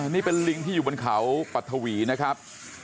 นี่เป็นลิงที่อยู่บนเขาปัททวีนะครับ